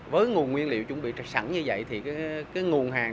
với nguồn nguyên liệu chuẩn bị sạch sẵn như vậy thì cái nguồn hàng